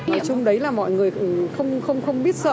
nhìn chung đấy là mọi người cũng không biết sợ